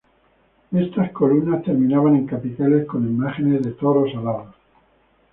Estas columnas terminaban en capiteles con imágenes de toros alados.